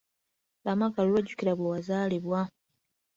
Lamaga lulwo jjukira bwe wazaalibwa.